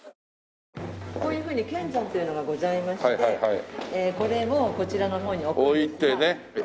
こういうふうに剣山というのがございましてこれをこちらの方に置くんですが。